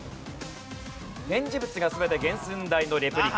展示物が全て原寸大のレプリカ。